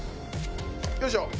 よいしょ！